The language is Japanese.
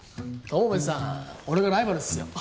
友部さん俺がライバルっすよ。